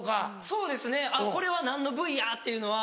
そうですねあっこれは何の部位やっていうのは。